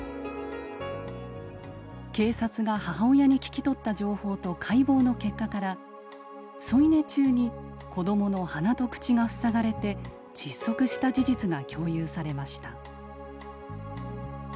警察が母親に聞き取った情報と解剖の結果から添い寝中に子どもの鼻と口が塞がれて窒息した事実が共有されました。